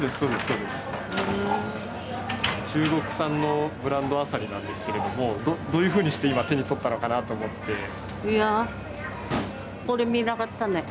中国産のブランドアサリなんですけれども、どういうふうにして今、手に取ったのかなと思って。